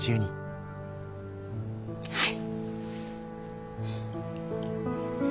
はい。